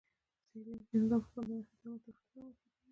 سیلانی ځایونه د افغانستان د ناحیو ترمنځ تفاوتونه رامنځ ته کوي.